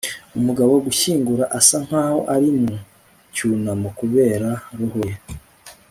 Umugabo gushyingura asa nkaho ari mu cyunamo kubera roho ye